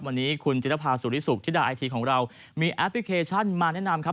วันนี้คุณจิรภาสุริสุขธิดาไอทีของเรามีแอปพลิเคชันมาแนะนำครับ